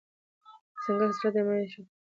دځنګل حاصلات د افغانانو د معیشت سرچینه ده.